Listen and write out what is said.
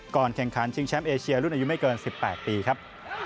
ก่อนแข่งขันชิงแชมป์เอเชียรุ่นอายุไม่เกิน๑๘ปีครับ